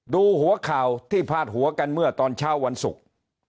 ดูหัวข่าวที่พาดหัวกันเมื่อตอนเช้าวันศุกร์